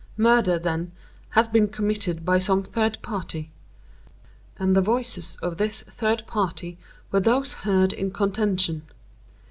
Murder, then, has been committed by some third party; and the voices of this third party were those heard in contention.